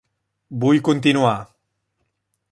Vull continuar.